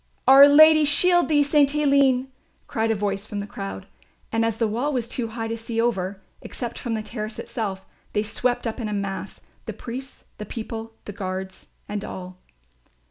"Our Lady shield thee, St. Aline," cried a voice from the crowd; and as the wall was too high to see over, except from the terrace itself, they swept up in a mass, the priests, the people, the guards and all.